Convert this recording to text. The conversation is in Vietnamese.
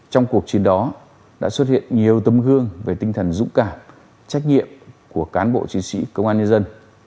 trong cuộc chiến đó đã xuất hiện nhiều tấm gương về tinh thần dũng cảm trách nhiệm của cán bộ chiến sĩ công an nhân dân